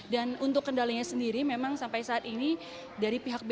dan untuk kendalinya sendiri memang sampai saat ini